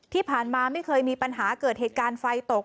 ที่ผ่านมาไม่เคยมีปัญหาเกิดเหตุการณ์ไฟตก